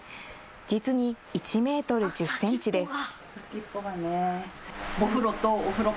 実に１メートル１０センチです。